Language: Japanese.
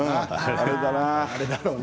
あれだろうな。